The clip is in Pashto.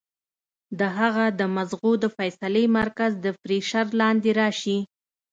د هغه د مزغو د فېصلې مرکز د پرېشر لاندې راشي